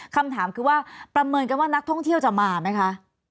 คำถามคือว่าประเมินกันว่านักท่องเที่ยวจะมาไหมคะ